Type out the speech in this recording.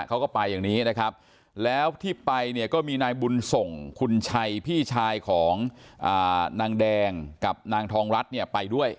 เขาก็ไปอย่างนี้นะครับแล้วที่ไปเนี่ยก็มีนายบุญส่งคุณชัยพี่ชายของนางแดงกับนางทองรัฐเนี่ยไปด้วย